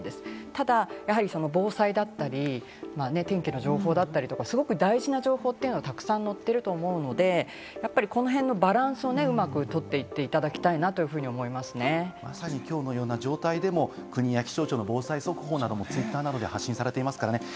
ただ防災だったり、天気の情報だったり、すごく大事な情報というのがたくさん載っていると思うので、この辺のバランスをうまく取っていっていただきたいなというふうきょうのような状況でも国や気象庁の防災情報がＴｗｉｔｔｅｒなどで発信されてますからね。